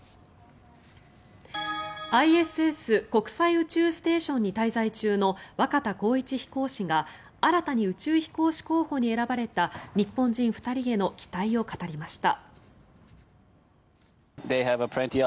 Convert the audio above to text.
ＩＳＳ・国際宇宙ステーションに滞在中の若田光一飛行士が新たに宇宙飛行士候補に選ばれた日本人２人への期待を語りました。